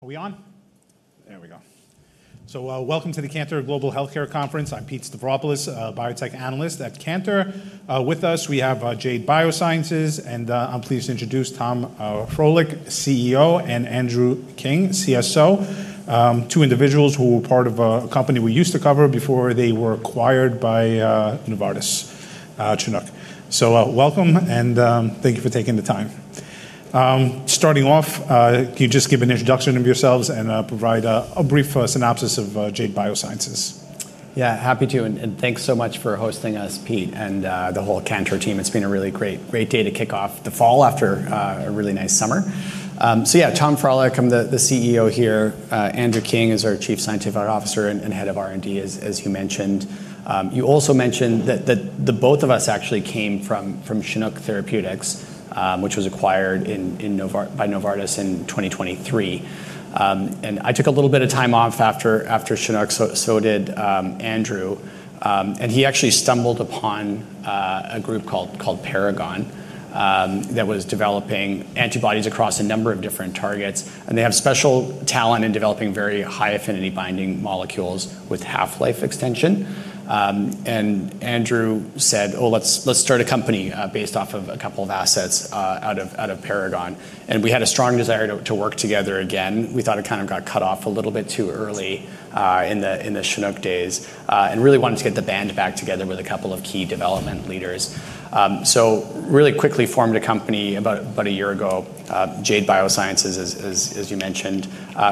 ... Are we on? There we go. So, welcome to the Cantor Global Healthcare Conference. I'm Pete Stavropoulos, a biotech analyst at Cantor. With us, we have Jade Biosciences, and I'm pleased to introduce Tom Frohlich, CEO, and Andrew King, CSO. Two individuals who were part of a company we used to cover before they were acquired by Novartis, Chinook. So, welcome, and thank you for taking the time. Starting off, can you just give an introduction of yourselves and provide a brief synopsis of Jade Biosciences? Yeah, happy to, and thanks so much for hosting us, Pete, and the whole Cantor team. It's been a really great, great day to kick off the fall after a really nice summer. So yeah, Tom Frohlich, I'm the CEO here. Andrew King is our Chief Scientific Officer and Head of R&D, as you mentioned. You also mentioned that the both of us actually came from Chinook Therapeutics, which was acquired by Novartis in 2023. I took a little bit of time off after Chinook, so did Andrew. He actually stumbled upon a group called Paragon that was developing antibodies across a number of different targets, and they have special talent in developing very high-affinity binding molecules with half-life extension. Andrew said, "Oh, let's start a company based off of a couple of assets out of Paragon." We had a strong desire to work together again. We thought it kind of got cut off a little bit too early in the Chinook days and really wanted to get the band back together with a couple of key development leaders. Really quickly formed a company about a year ago, Jade Biosciences, as you mentioned,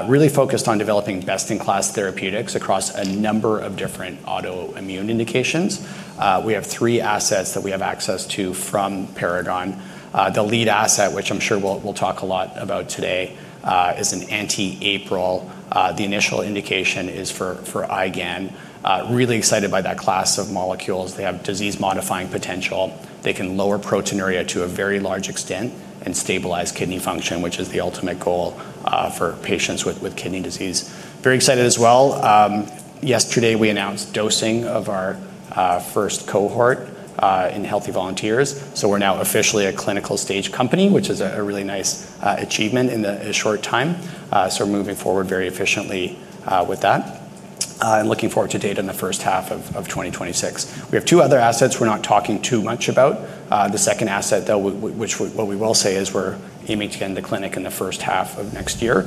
really focused on developing best-in-class therapeutics across a number of different autoimmune indications. We have three assets that we have access to from Paragon. The lead asset, which I'm sure we'll talk a lot about today, is an anti-APRIL. The initial indication is for IgAN. Really excited by that class of molecules. They have disease-modifying potential. They can lower proteinuria to a very large extent and stabilize kidney function, which is the ultimate goal for patients with kidney disease. Very excited as well, yesterday we announced dosing of our first cohort in healthy volunteers, so we're now officially a clinical stage company, which is a really nice achievement in a short time. So we're moving forward very efficiently with that and looking forward to data in the first half of 2026. We have two other assets we're not talking too much about. The second asset, though, what we will say is we're aiming to get into the clinic in the first half of next year.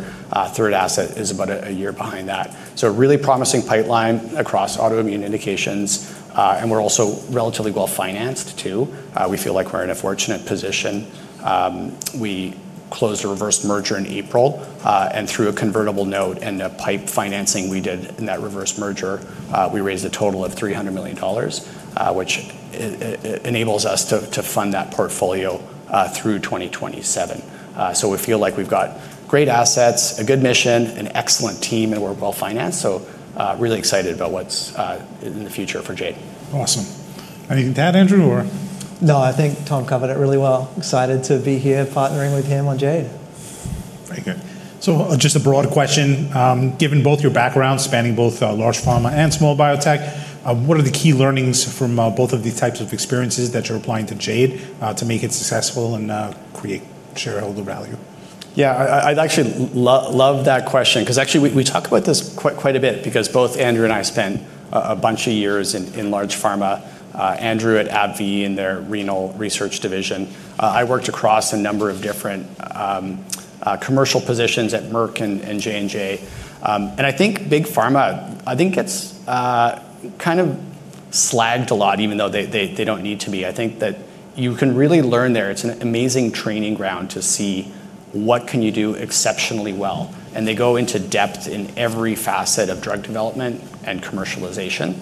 Third asset is about a year behind that. So a really promising pipeline across autoimmune indications, and we're also relatively well-financed, too. We feel like we're in a fortunate position. We closed a reverse merger in April, and through a convertible note and a PIPE financing we did in that reverse merger, we raised a total of $300 million, which enables us to fund that portfolio through 2027. So we feel like we've got great assets, a good mission, an excellent team, and we're well-financed, so really excited about what's in the future for Jade. Awesome. Anything to add, Andrew, or...? No, I think Tom covered it really well. Excited to be here partnering with him on Jade. Very good. So just a broad question, given both your background, spanning both, large pharma and small biotech, what are the key learnings from, both of these types of experiences that you're applying to Jade, to make it successful and, create shareholder value? Yeah, I'd actually love that question, 'cause actually we talk about this quite a bit because both Andrew and I spent a bunch of years in large pharma, Andrew at AbbVie in their Renal Research Division. I worked across a number of different commercial positions at Merck and J&J. And I think big pharma, I think it's kind of slagged a lot, even though they don't need to be. I think that you can really learn there. It's an amazing training ground to see what can you do exceptionally well, and they go into depth in every facet of drug development and commercialization,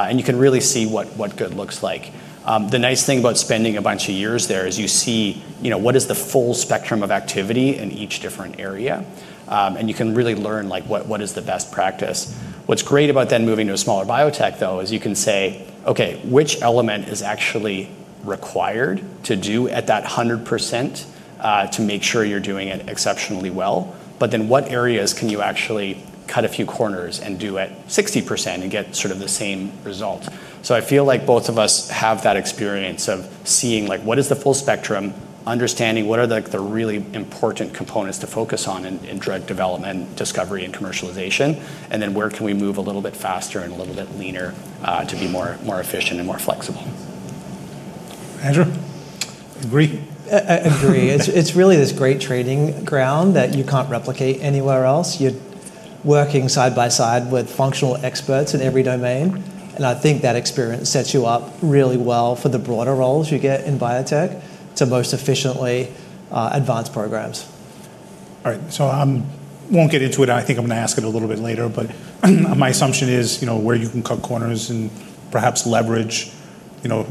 and you can really see what good looks like. The nice thing about spending a bunch of years there is you see, you know, what is the full spectrum of activity in each different area, and you can really learn, like, what is the best practice. What's great about then moving to a smaller biotech, though, is you can say, "Okay, which element is actually required to do at that 100%, to make sure you're doing it exceptionally well. But then what areas can you actually cut a few corners and do at 60% and get sort of the same result?" So I feel like both of us have that experience of seeing, like, what is the full spectrum, understanding what are, like, the really important components to focus on in drug development, discovery, and commercialization, and then where can we move a little bit faster and a little bit leaner to be more efficient and more flexible. Andrew, agree? I agree. It's really this great training ground that you can't replicate anywhere else. You're working side by side with functional experts in every domain, and I think that experience sets you up really well for the broader roles you get in biotech to most efficiently advance programs. All right, so I won't get into it. I think I'm gonna ask it a little bit later, but my assumption is, you know, where you can cut corners and perhaps leverage, you know,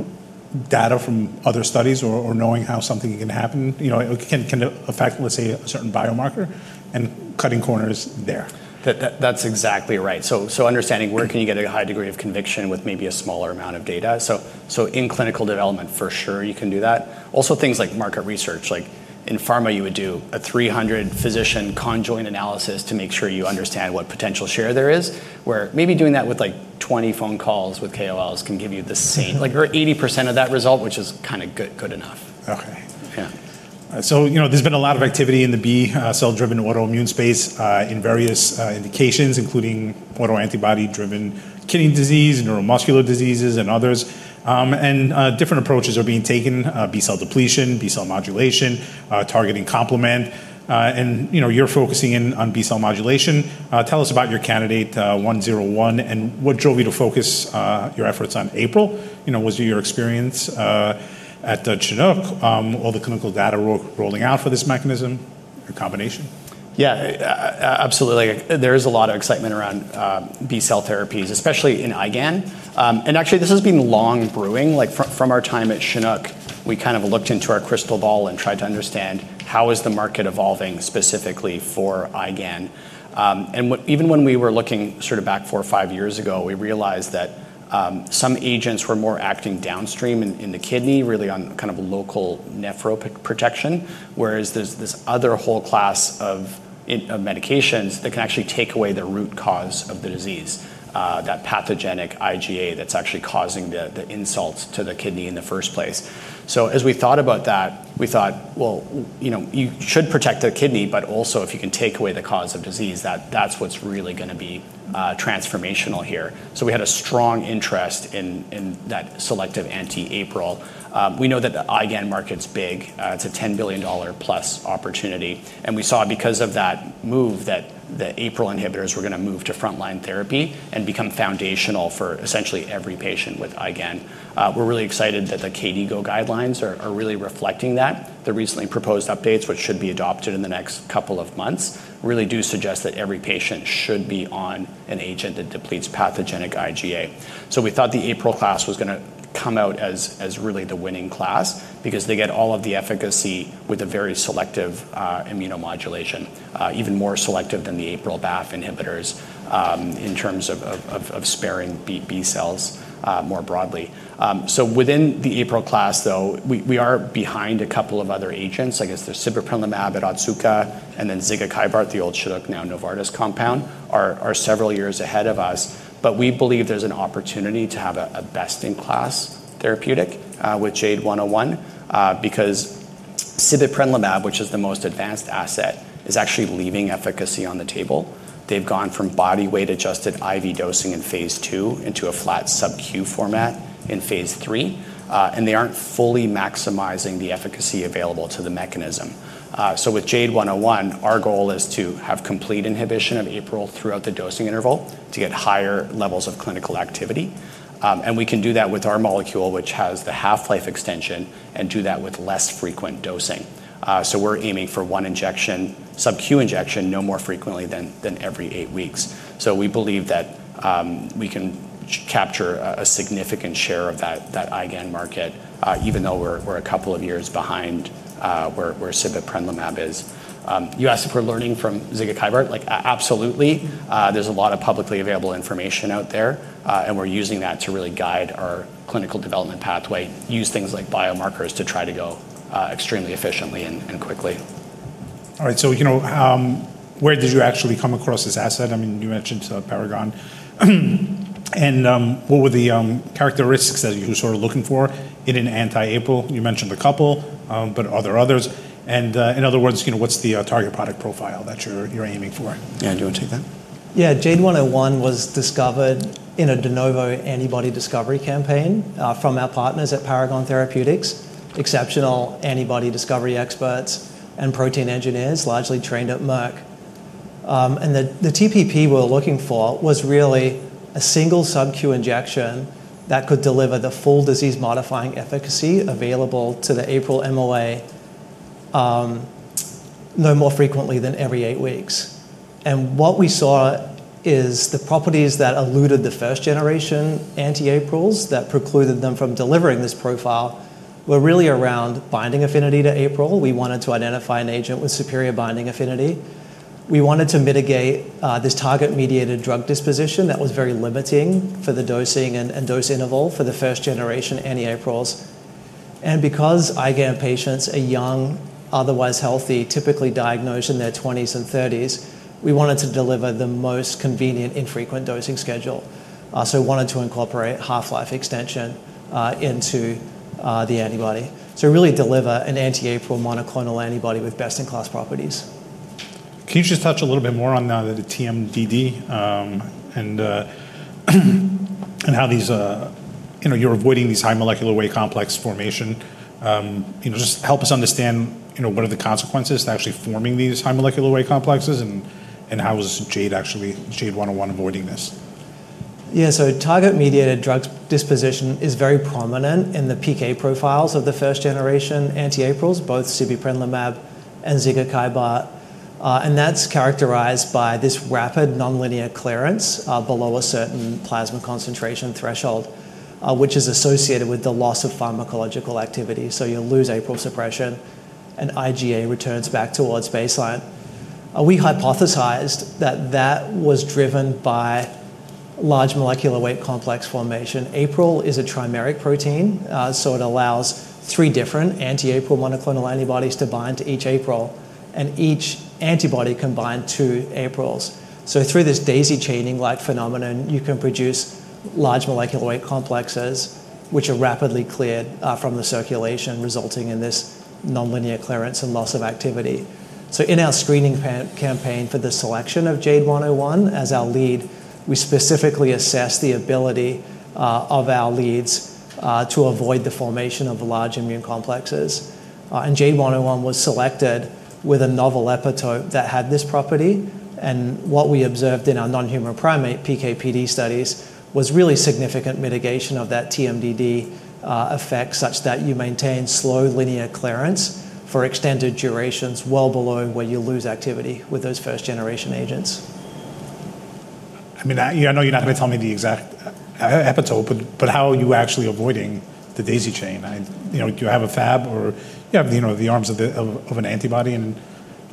data from other studies or knowing how something can happen, you know, it can affect, let's say, a certain biomarker, and cutting corners there. That's exactly right. So understanding where can you get a high degree of conviction with maybe a smaller amount of data. So in clinical development, for sure, you can do that. Also, things like market research, like in pharma, you would do a 300-physician conjoint analysis to make sure you understand what potential share there is, where maybe doing that with, like, 20 phone calls with KOLs can give you the same-... like, or 80% of that result, which is kind of good, good enough. Okay. Yeah. So, you know, there's been a lot of activity in the B-cell-driven autoimmune space in various indications, including autoantibody-driven kidney disease, neuromuscular diseases, and others. And different approaches are being taken, B-cell depletion, B-cell modulation, targeting complement. And, you know, you're focusing in on B-cell modulation. Tell us about your candidate 101, and what drove you to focus your efforts on APRIL? You know, was it your experience at Chinook, or the clinical data rolling out for this mechanism, or combination? Yeah, absolutely. There is a lot of excitement around B-cell therapies, especially in IgAN. And actually, this has been long brewing. Like, from our time at Chinook, we kind of looked into our crystal ball and tried to understand how is the market evolving specifically for IgAN. And what—even when we were looking sort of back four or five years ago, we realized that some agents were more acting downstream in the kidney, really on kind of a local nephroprotection, whereas there's this other whole class of medications that can actually take away the root cause of the disease, that pathogenic IgA that's actually causing the insults to the kidney in the first place. So as we thought about that, we thought, well, you know, you should protect the kidney, but also, if you can take away the cause of disease, that, that's what's really gonna be transformational here. So we had a strong interest in that selective anti-APRIL. We know that the IgAN market's big. It's a $10 billion-plus opportunity, and we saw because of that move, that the APRIL inhibitors were gonna move to frontline therapy and become foundational for essentially every patient with IgAN. We're really excited that the KDIGO guidelines are really reflecting that. The recently proposed updates, which should be adopted in the next couple of months, really do suggest that every patient should be on an agent that depletes pathogenic IgA. We thought the APRIL class was gonna come out as really the winning class because they get all of the efficacy with a very selective immunomodulation, even more selective than the APRIL BAFF inhibitors, in terms of sparing B cells more broadly. Within the APRIL class, though, we are behind a couple of other agents. I guess there's Sibeprenlimab at Otsuka, and then zigakibart, the old Chinook, now Novartis compound, are several years ahead of us. But we believe there's an opportunity to have a best-in-class therapeutic with JADE101 because Sibeprenlimab, which is the most advanced asset, is actually leaving efficacy on the table. They've gone from body weight-adjusted IV dosing in phase II into a flat sub-Q format in phase III, and they aren't fully maximizing the efficacy available to the mechanism. So with JADE101, our goal is to have complete inhibition of APRIL throughout the dosing interval to get higher levels of clinical activity. And we can do that with our molecule, which has the half-life extension, and do that with less frequent dosing. So we're aiming for one injection, sub-Q injection, no more frequently than every eight weeks. So we believe that we can capture a significant share of that IgAN market, even though we're a couple of years behind where Sibeprenlimab is. You asked if we're learning from zigakibart. Like, absolutely. There's a lot of publicly available information out there, and we're using that to really guide our clinical development pathway, use things like biomarkers to try to go extremely efficiently and quickly. All right, so, you know, where did you actually come across this asset? I mean, you mentioned, Paragon. And, what were the characteristics that you were sort of looking for in an anti-APRIL? You mentioned a couple, but are there others? And, in other words, you know, what's the target product profile that you're aiming for? Andrew, do you want to take that? Yeah, JADE101 was discovered in a de novo antibody discovery campaign from our partners at Paragon Therapeutics, exceptional antibody discovery experts and protein engineers, largely trained at Merck. And the TPP we were looking for was really a single sub-Q injection that could deliver the full disease-modifying efficacy available to the APRIL MOA, no more frequently than every eight weeks. And what we saw is the properties that eluded the first-generation anti-APRILs that precluded them from delivering this profile were really around binding affinity to APRIL. We wanted to identify an agent with superior binding affinity. We wanted to mitigate this target-mediated drug disposition that was very limiting for the dosing and dose interval for the first-generation anti-APRILs. And because IgAN patients are young, otherwise healthy, typically diagnosed in their twenties and thirties, we wanted to deliver the most convenient, infrequent dosing schedule, so we wanted to incorporate half-life extension into the antibody. So really deliver an anti-APRIL monoclonal antibody with best-in-class properties. Can you just touch a little bit more on the TMDD, and how these, you know, you're avoiding these high molecular weight complex formation? You know, just help us understand, you know, what are the consequences to actually forming these high molecular weight complexes, and how is Jade actually, JADE101 avoiding this? Yeah, so target-mediated drug disposition is very prominent in the PK profiles of the first-generation anti-APRILs, both Sibeprenlimab and zigakibart. And that's characterized by this rapid nonlinear clearance below a certain plasma concentration threshold, which is associated with the loss of pharmacological activity. So you'll lose APRIL suppression, and IgA returns back towards baseline. We hypothesized that that was driven by large molecular weight complex formation. APRIL is a trimeric protein, so it allows three different anti-APRIL monoclonal antibodies to bind to each APRIL, and each antibody can bind two APRILs. So through this daisy chaining-like phenomenon, you can produce large molecular weight complexes, which are rapidly cleared from the circulation, resulting in this nonlinear clearance and loss of activity. In our screening campaign for the selection of JADE101 as our lead, we specifically assessed the ability of our leads to avoid the formation of large immune complexes, and JADE101 was selected with a novel epitope that had this property, and what we observed in our non-human primate PK/PD studies was really significant mitigation of that TMDD effect, such that you maintain slow linear clearance for extended durations well below where you lose activity with those first-generation agents. I mean, I know you're not going to tell me the exact epitope, but how are you actually avoiding the daisy chain? You know, do you have a Fab or you have the arms of the antibody, and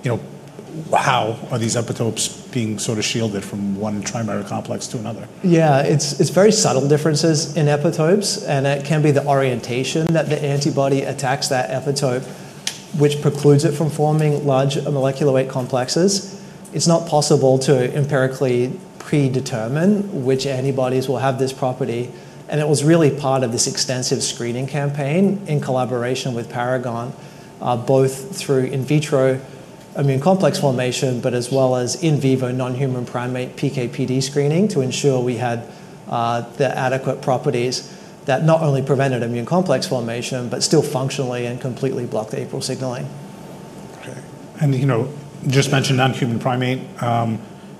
you know, how are these epitopes being sort of shielded from one trimeric complex to another? Yeah, it's very subtle differences in epitopes, and it can be the orientation that the antibody attacks that epitope, which precludes it from forming large molecular weight complexes. It's not possible to empirically predetermine which antibodies will have this property, and it was really part of this extensive screening campaign in collaboration with Paragon, both through in vitro immune complex formation, but as well as in vivo non-human primate PK/PD screening to ensure we had the adequate properties that not only prevented immune complex formation but still functionally and completely blocked APRIL signaling. Okay. And, you know, you just mentioned non-human primate.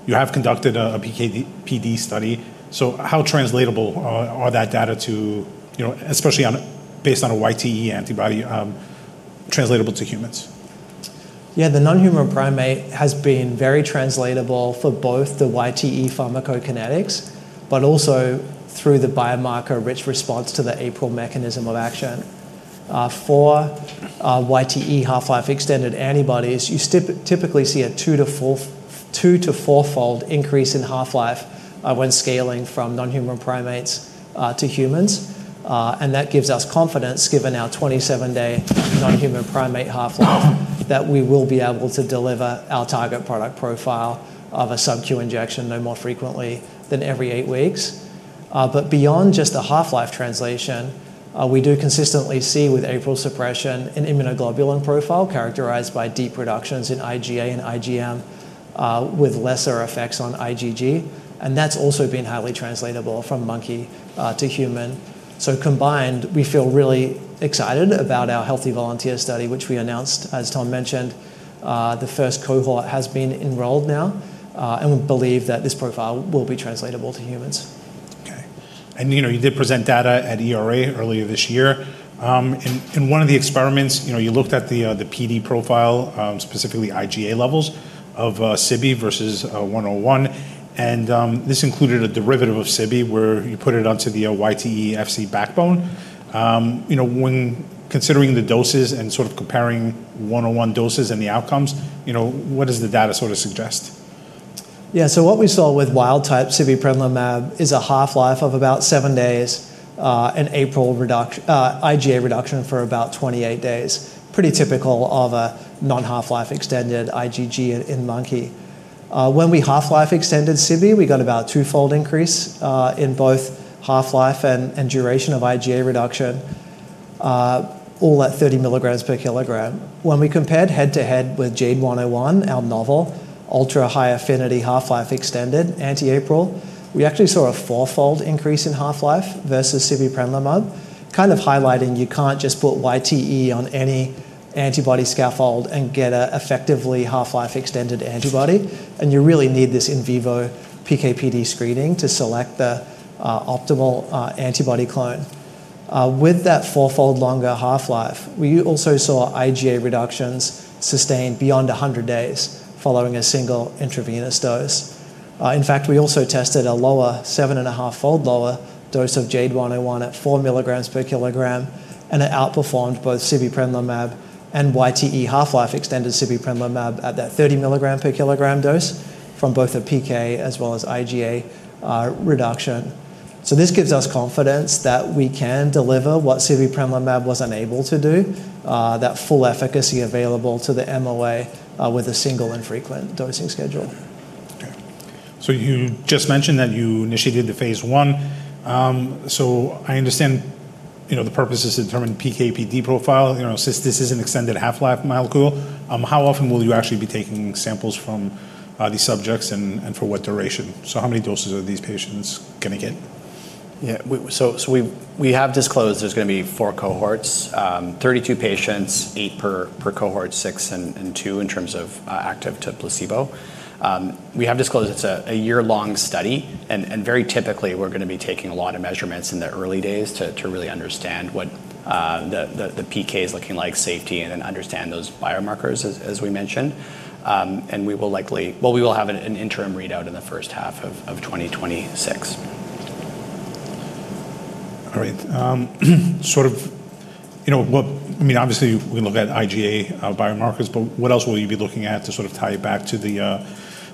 You have conducted a PK/PD study, so how translatable are that data to, you know, especially on, based on a YTE antibody, translatable to humans? Yeah, the non-human primate has been very translatable for both the YTE pharmacokinetics but also through the biomarker-rich response to the APRIL mechanism of action. For YTE half-life extended antibodies, you typically see a 2x-4x increase in half-life, when scaling from non-human primates to humans. And that gives us confidence, given our 27-day non-human primate half-life, that we will be able to deliver our target product profile of a sub-Q injection no more frequently than every eight weeks. But beyond just the half-life translation, we do consistently see with APRIL suppression an immunoglobulin profile characterized by deep reductions in IgA and IgM, with lesser effects on IgG, and that's also been highly translatable from monkey to human. So combined, we feel really excited about our healthy volunteer study, which we announced, as Tom mentioned. The first cohort has been enrolled now, and we believe that this profile will be translatable to humans. Okay. And, you know, you did present data at ERA earlier this year. In one of the experiments, you know, you looked at the PD profile, specifically IgA levels of Sibe versus 101, and this included a derivative of Sibe, where you put it onto the YTE Fc backbone. You know, when considering the doses and sort of comparing 101 doses and the outcomes, you know, what does the data sort of suggest? Yeah, so what we saw with wild-type Sibeprenlimab is a half-life of about seven days, an APRIL reduction, IgA reduction for about 28 days. Pretty typical of a non-half-life extended IgG in monkey. When we half-life extended Sibe, we got about 2x increase in both half-life and duration of IgA reduction, all at 30 milligrams per kilogram. When we compared head-to-head with JADE101, our novel ultra-high-affinity, half-life extended anti-APRIL, we actually saw a 4x increase in half-life versus Sibeprenlimab, kind of highlighting you can't just put YTE on any antibody scaffold and get a effectively half-life extended antibody, and you really need this in vivo PK/PD screening to select the optimal antibody clone. With that 4x longer half-life, we also saw IgA reductions sustained beyond 100 days following a single intravenous dose. In fact, we also tested a lower, 7.5x lower dose of JADE101 at four milligrams per kilogram, and it outperformed both Sibeprenlimab and YTE half-life extended Sibeprenlimab at that 30-milligram per kilogram dose from both the PK as well as IgA reduction, so this gives us confidence that we can deliver what Sibeprenlimab was unable to do, that full efficacy available to the MOA, with a single infrequent dosing schedule. Okay. So you just mentioned that you initiated the phase I. So I understand, you know, the purpose is to determine PK/PD profile. You know, since this is an extended half-life molecule, how often will you actually be taking samples from these subjects and for what duration? So how many doses are these patients going to get? Yeah, we... So, we have disclosed there's going to be four cohorts, 32 patients, eight per cohort, six and two in terms of active to placebo. We have disclosed it's a year-long study, and very typically, we're going to be taking a lot of measurements in the early days to really understand what the PK is looking like, safety, and then understand those biomarkers, as we mentioned. And we will likely... Well, we will have an interim readout in the first half of 2026. All right. Sort of, you know, what... I mean, obviously, we look at IgA biomarkers, but what else will you be looking at to sort of tie it back to the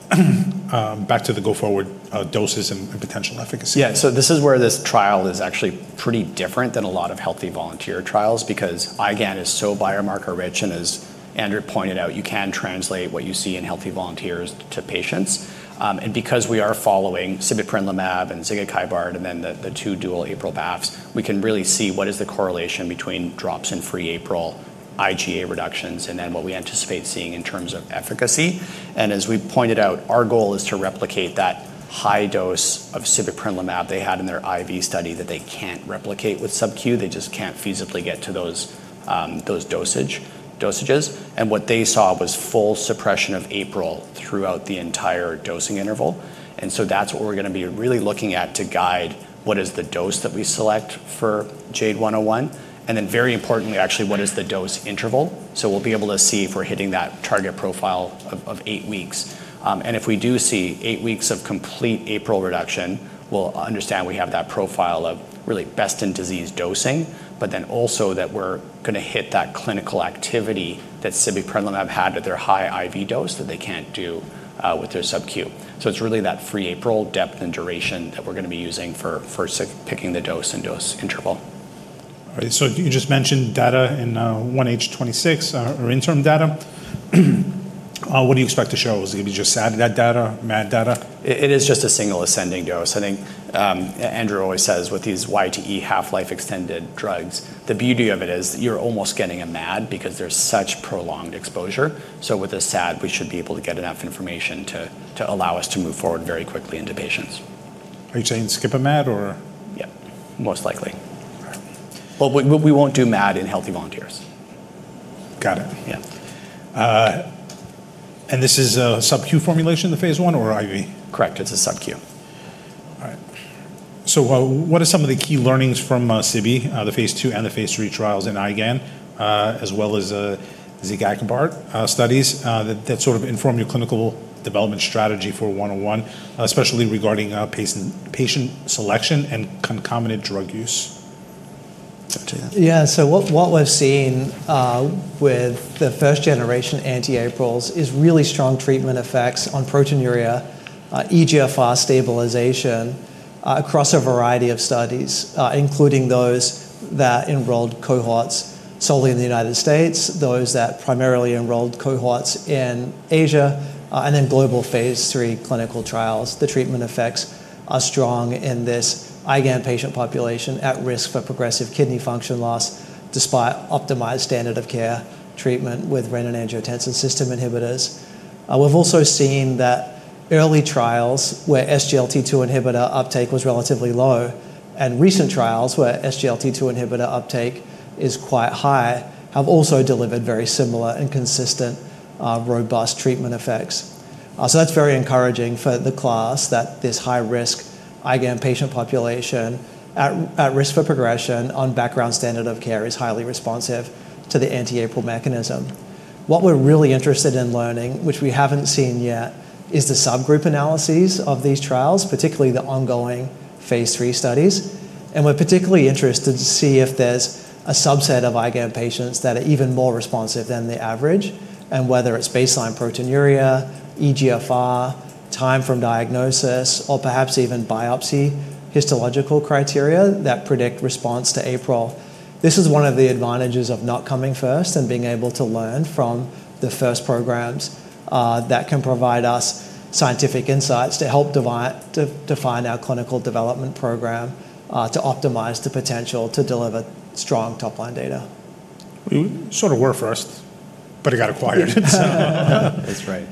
back to the go-forward doses and potential efficacy? Yeah, so this is where this trial is actually pretty different than a lot of healthy volunteer trials because IgAN is so biomarker-rich, and as Andrew pointed out, you can translate what you see in healthy volunteers to patients. And because we are following Sibeprenlimab and zigakibart and then the two dual APRIL BAFFs, we can really see what is the correlation between drops in free APRIL, IgA reductions and then what we anticipate seeing in terms of efficacy. And as we pointed out, our goal is to replicate that high dose of Sibeprenlimab they had in their IV study that they can't replicate with sub-Q. They just can't feasibly get to those dosages. What they saw was full suppression of APRIL throughout the entire dosing interval, and so that's what we're gonna be really looking at to guide what is the dose that we select for JADE101, and then very importantly, actually, what is the dose interval? So we'll be able to see if we're hitting that target profile of eight weeks. And if we do see eight weeks of complete APRIL reduction, we'll understand we have that profile of really best-in-disease dosing, but then also that we're gonna hit that clinical activity that Sibeprenlimab had at their high IV dose that they can't do with their sub-Q. So it's really that free APRIL depth and duration that we're gonna be using for picking the dose and dose interval. All right, so you just mentioned data in 1H 2026 or interim data. What do you expect to show? Is it gonna be just SAD data, MAD data? It is just a single ascending dose. I think, Andrew always says with these YTE half-life extended drugs, the beauty of it is you're almost getting a MAD because there's such prolonged exposure. So with a SAD, we should be able to get enough information to allow us to move forward very quickly into patients. Are you saying skip a MAD or...? Yeah, most likely. We won't do MAD in healthy volunteers. Got it. Yeah. and this is a sub-Q formulation, the phase I, or IV? Correct, it's a sub-Q. All right. So, what are some of the key learnings from Sibe, the phase II and the phase III trials in IgAN, as well as zigakibart studies, that sort of inform your clinical development strategy for 101, especially regarding patient selection and concomitant drug use? Over to you. Yeah, so what, what we've seen with the first-generation anti-APRILs is really strong treatment effects on proteinuria, eGFR stabilization, across a variety of studies, including those that enrolled cohorts solely in the United States, those that primarily enrolled cohorts in Asia, and then global phase III clinical trials. The treatment effects are strong in this IgAN patient population at risk for progressive kidney function loss, despite optimized standard of care treatment with renin-angiotensin system inhibitors. We've also seen that early trials where SGLT2 inhibitor uptake was relatively low and recent trials where SGLT2 inhibitor uptake is quite high, have also delivered very similar and consistent, robust treatment effects. So that's very encouraging for the class, that this high-risk IgAN patient population at risk for progression on background standard of care is highly responsive to the anti-APRIL mechanism. What we're really interested in learning, which we haven't seen yet, is the subgroup analyses of these trials, particularly the ongoing phase III studies, and we're particularly interested to see if there's a subset of IgAN patients that are even more responsive than the average, and whether it's baseline proteinuria, eGFR, time from diagnosis, or perhaps even biopsy histological criteria that predict response to APRIL. This is one of the advantages of not coming first and being able to learn from the first programs that can provide us scientific insights to help define our clinical development program to optimize the potential to deliver strong top-line data. You sort of were first, but it got acquired. That's right.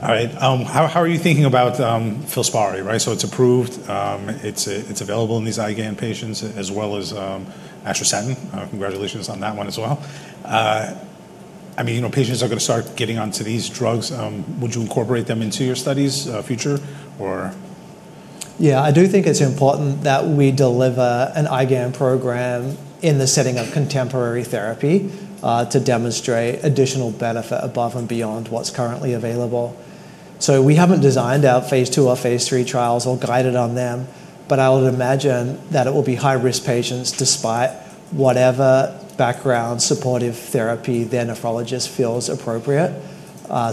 All right. How are you thinking about Filspari, right? So it's approved. It's available in these IgAN patients, as well as atrasentan. Congratulations on that one as well. I mean, you know, patients are gonna start getting onto these drugs. Would you incorporate them into your studies, future, or...? Yeah, I do think it's important that we deliver an IgAN program in the setting of contemporary therapy, to demonstrate additional benefit above and beyond what's currently available, so we haven't designed our phase II or phase III trials or guided on them, but I would imagine that it will be high-risk patients despite whatever background supportive therapy their nephrologist feels appropriate,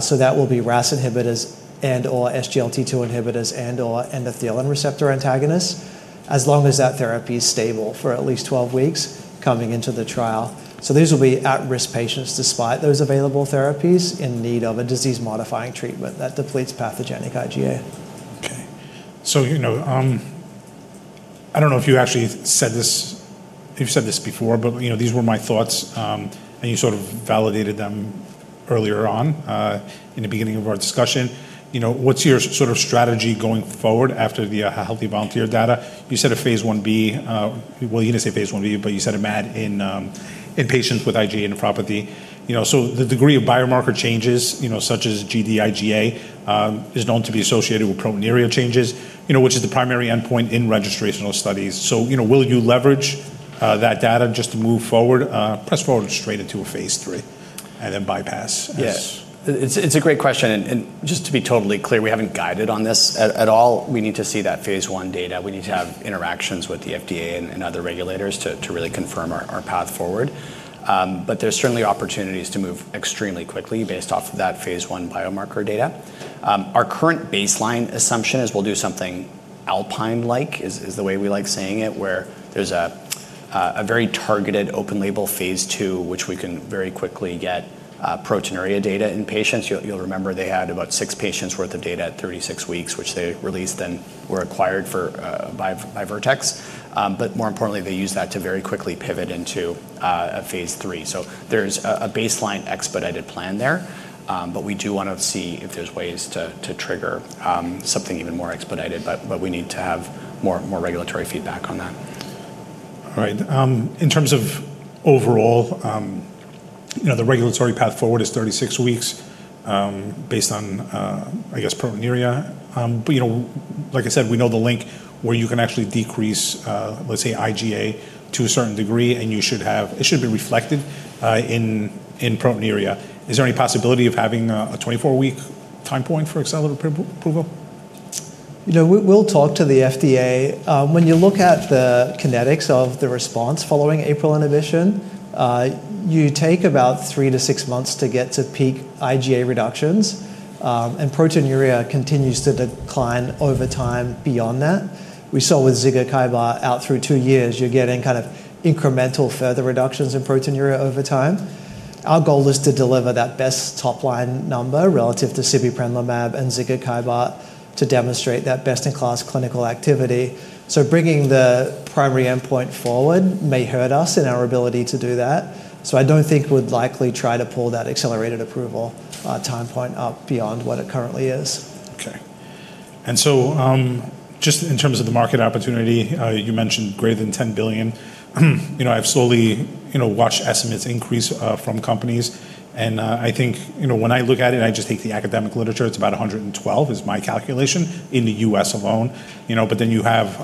so that will be RAS inhibitors and/or SGLT2 inhibitors and/or endothelin receptor antagonists, as long as that therapy is stable for at least 12 weeks coming into the trial, so these will be at-risk patients despite those available therapies in need of a disease-modifying treatment that depletes pathogenic IgA. Okay. So, you know, I don't know if you actually said this, if you said this before, but, you know, these were my thoughts, and you sort of validated them earlier on, in the beginning of our discussion. You know, what's your sort of strategy going forward after the healthy volunteer data? You said a phase I-B. You didn't say phase I-B, but you said a MAD in patients with IgA nephropathy. You know, so the degree of biomarker changes, you know, such as Gd-IgA, is known to be associated with proteinuria changes, you know, which is the primary endpoint in registrational studies. So, you know, will you leverage that data just to move forward, press forward straight into a phase III and then bypass this? Yeah. It's a great question, and just to be totally clear, we haven't guided on this at all. We need to see that phase I data. We need to have interactions with the FDA and other regulators to really confirm our path forward. But there's certainly opportunities to move extremely quickly based off of that phase I biomarker data. Our current baseline assumption is we'll do something Alpine-like, is the way we like saying it, where there's a very targeted open label phase II, which we can very quickly get proteinuria data in patients. You'll remember they had about six patients' worth of data at 36 weeks, which they released, then were acquired by Vertex. But more importantly, they used that to very quickly pivot into a phase III. So there's a baseline expedited plan there, but we do wanna see if there's ways to trigger something even more expedited, but we need to have more regulatory feedback on that. All right. In terms of overall, you know, the regulatory path forward is thirty-six weeks, based on, I guess, proteinuria, but you know, like I said, we know the link where you can actually decrease, let's say IgA to a certain degree, and you should have it should be reflected in proteinuria. Is there any possibility of having a 24-week time point for accelerated approval? You know, we, we'll talk to the FDA. When you look at the kinetics of the response following APRIL inhibition, you take about 3-6 months to get to peak IgA reductions, and proteinuria continues to decline over time beyond that. We saw with zigakibart, out through two years, you're getting kind of incremental further reductions in proteinuria over time. Our goal is to deliver that best top-line number relative to Sibeprenlimab and zigakibart to demonstrate that best-in-class clinical activity. So bringing the primary endpoint forward may hurt us in our ability to do that, so I don't think we'd likely try to pull that accelerated approval time point up beyond what it currently is. Okay. And so, just in terms of the market opportunity, you mentioned greater than $10 billion. You know, I've slowly, you know, watched estimates increase from companies, and I think, you know, when I look at it, and I just take the academic literature, it's about 112, is my calculation, in the U.S. alone. You know, but then you have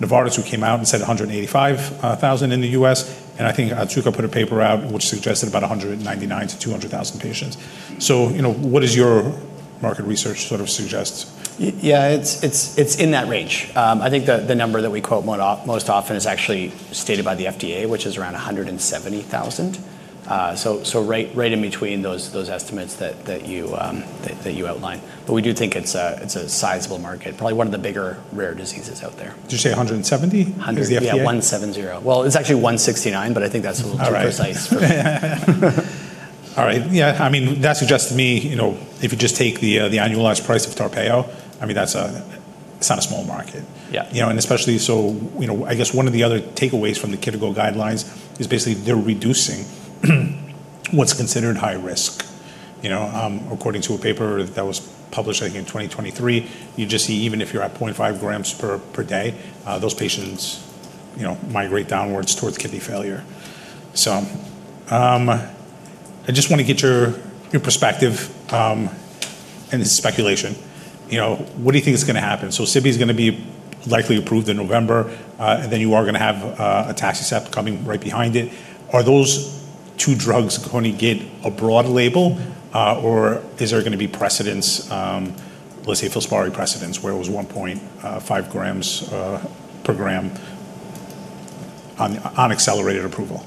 Novartis, who came out and said 185 thousand in the U.S., and I think AstraZeneca put a paper out which suggested about 199-200 thousand patients. So, you know, what does your market research sort of suggest? Yeah, it's in that range. I think the number that we quote most often is actually stated by the FDA, which is around a hundred and seventy thousand. So right in between those estimates that you outlined. But we do think it's a sizable market, probably one of the bigger rare diseases out there. Did you say a hundred and seventy, is the FDA- Hundred. Yeah, 170. Well, it's actually 169, but I think that's a little too precise for- All right. Yeah, I mean, that suggests to me, you know, if you just take the annualized price of Tarpeio, I mean, that's a. It's not a small market. You know, and especially so, you know, I guess one of the other takeaways from the KDIGO guidelines is basically they're reducing what's considered high risk. You know, according to a paper that was published, I think, in 2023, you just see even if you're at 0.5 grams per day, those patients, you know, migrate downwards towards kidney failure. So, I just want to get your perspective, and this is speculation. You know, what do you think is gonna happen? So Sibe's gonna be likely approved in November, and then you are gonna have, Atacicept coming right behind it. Are those two drugs going to get a broad label, or is there gonna be precedence, let's say Filspari precedence, where it was 1.5 grams per day on accelerated approval?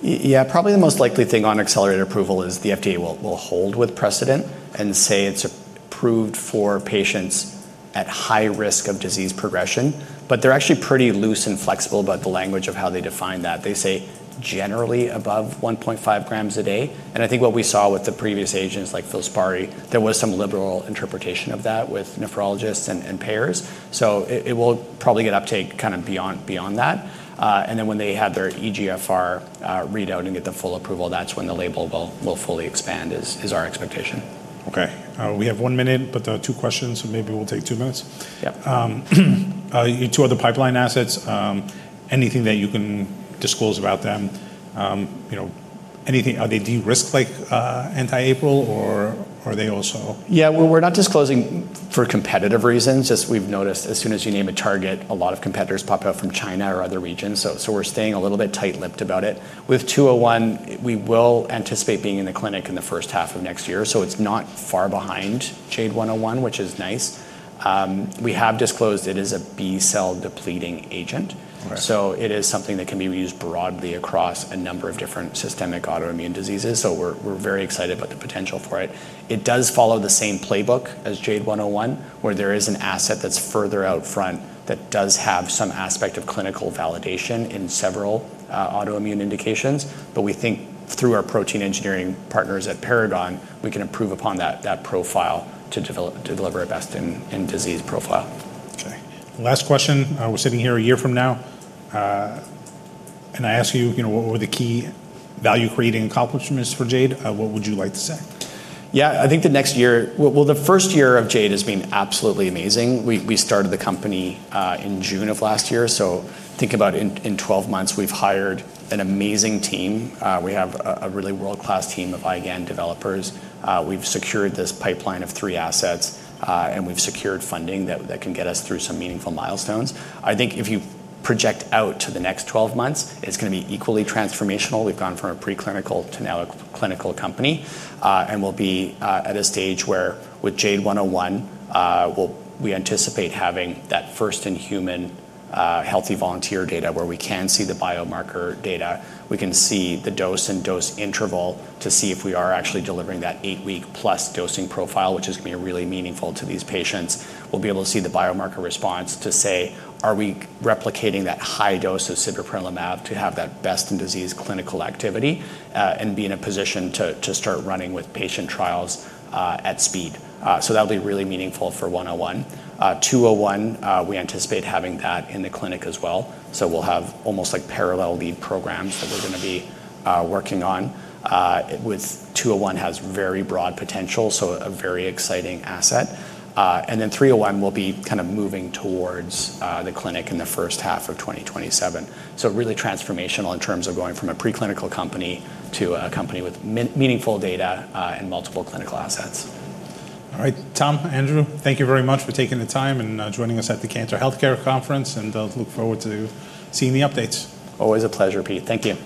Yeah, probably the most likely thing on accelerated approval is the FDA will hold with precedent and say it's approved for patients at high risk of disease progression. But they're actually pretty loose and flexible about the language of how they define that. They say generally above one point five grams a day, and I think what we saw with the previous agents, like Filspari, there was some liberal interpretation of that with nephrologists and payers. So it will probably get uptake kind of beyond that. And then when they have their eGFR readout and get the full approval, that's when the label will fully expand, is our expectation. Okay, we have one minute, but, two questions, so maybe we'll take two minutes. Your two other pipeline assets, anything that you can disclose about them? You know, anything - are they de-risk, like, anti-APRIL, or are they also- Yeah, well, we're not disclosing for competitive reasons. Just we've noticed as soon as you name a target, a lot of competitors pop up from China or other regions, so we're staying a little bit tight-lipped about it. With 201, we will anticipate being in the clinic in the first half of next year, so it's not far behind JADE101, which is nice. We have disclosed it is a B-cell-depleting agent. So it is something that can be used broadly across a number of different systemic autoimmune diseases, so we're, we're very excited about the potential for it. It does follow the same playbook as JADE101, where there is an asset that's further out front that does have some aspect of clinical validation in several autoimmune indications. But we think through our protein engineering partners at Paragon, we can improve upon that, that profile to deliver a best in, in disease profile. Okay, last question. We're sitting here a year from now, and I ask you, you know, what were the key value-creating accomplishments for Jade? What would you like to say? Yeah, I think the next year, well, the first year of Jade has been absolutely amazing. We started the company in June of last year, so think about in twelve months, we've hired an amazing team. We have a really world-class team of IgAN developers. We've secured this pipeline of three assets, and we've secured funding that can get us through some meaningful milestones. I think if you project out to the next twelve months, it's gonna be equally transformational. We've gone from a preclinical to now a clinical company, and we'll be at a stage where with JADE101, we'll anticipate having that first in human healthy volunteer data where we can see the biomarker data. We can see the dose and dose interval to see if we are actually delivering that eight-week-plus dosing profile, which is gonna be really meaningful to these patients. We'll be able to see the biomarker response to say, "Are we replicating that high dose of Sibeprenlimab to have that best in disease clinical activity?" And be in a position to start running with patient trials at speed. So that'll be really meaningful for 101. 201, we anticipate having that in the clinic as well, so we'll have almost like parallel lead programs that we're gonna be working on. With 201 has very broad potential, so a very exciting asset. And then 301 will be kind of moving towards the clinic in the first half of 2027. So really transformational in terms of going from a preclinical company to a company with meaningful data, and multiple clinical assets. All right, Tom, Andrew, thank you very much for taking the time and joining us at the Cantor Fitzgerald Global Healthcare Conference, and I'll look forward to seeing the updates. Always a pleasure, Pete. Thank you.